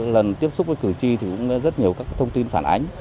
lần tiếp xúc với cử tri thì cũng rất nhiều các thông tin phản ánh